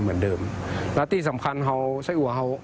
มีกลิ่นหอมกว่า